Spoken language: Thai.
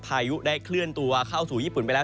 พายุได้เคลื่อนตัวเข้าสู่ญี่ปุ่นไปแล้ว